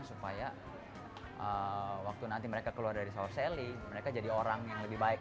supaya waktu nanti mereka keluar dari saur selly mereka jadi orang yang lebih baik